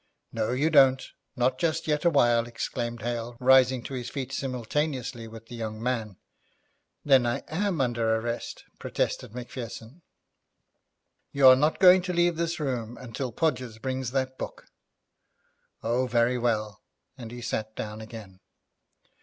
'No you don't. Not just yet awhile,' exclaimed Hale, rising to his feet simultaneously with the young man. 'Then I am under arrest,' protested Macpherson. 'You're not going to leave this room until Podgers brings that book.' 'Oh, very well,' and he sat down again.